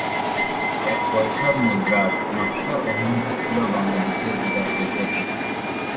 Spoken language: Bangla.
এক পয়সার মুদ্রার নকশার অভিমুখে ছিল বাংলাদেশের জাতীয় প্রতীক।